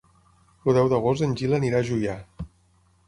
El deu d'agost en Gil anirà a Juià.